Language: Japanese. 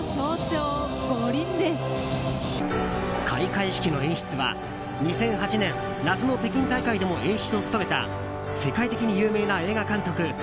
開会式の演出は２００８年、夏の北京大会でも演出を務めた世界的に有名な映画監督